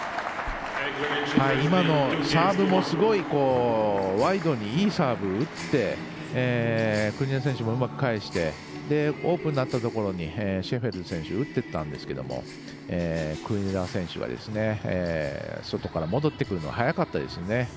今のサーブもすごいワイドにいいサーブ、打って国枝選手もうまく返してオープンになったところにシェフェルス選手打っていったんですけれども国枝選手は外から戻ってくるのが早かったですね。